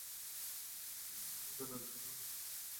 আরে, ন্যায্য নয়!